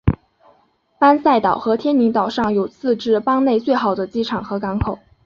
塞班岛和天宁岛上有自治邦内最好的机场和港口。